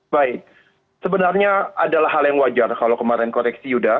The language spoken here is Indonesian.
baik sebenarnya adalah hal yang wajar kalau kemarin koreksi yuda